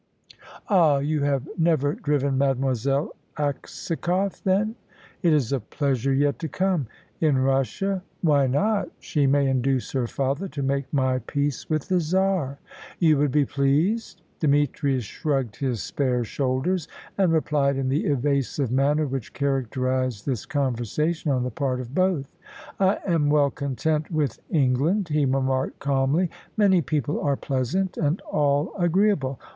"Ah! You have never driven Mademoiselle Aksakoff, then?" "It is a pleasure yet to come." "In Russia?" "Why not? She may induce her father to make my peace with the Czar." "You would be pleased?" Demetrius shrugged his spare shoulders, and replied in the evasive manner which characterised this conversation on the part of both. "I am well content with England," he remarked calmly. "Many people are pleasant, and all agreeable.